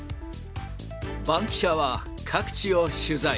バンキシャは各地を取材。